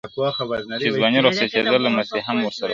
چي ځواني رخصتېدله مستي هم ورسره ولاړه -